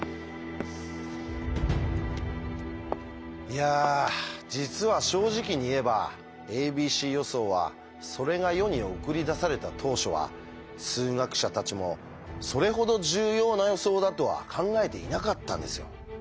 いや実は正直に言えば「ａｂｃ予想」はそれが世に送り出された当初は数学者たちもそれほど重要な予想だとは考えていなかったんですよ。